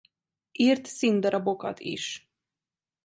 Írt színdarabokat is.